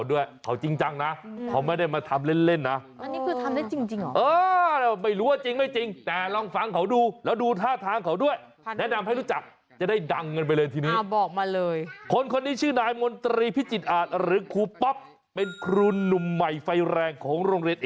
วิเชียรบุรีจังหวัดเพชรชาบุญ